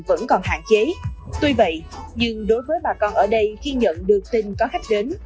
vẫn còn hạn chế tuy vậy nhưng đối với bà con ở đây khi nhận được tin có khách đến